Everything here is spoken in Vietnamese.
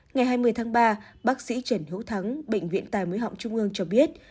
ngày hai mươi tháng ba bác sĩ trần hữu thắng bệnh viện tài mũi họng trung ương cho biết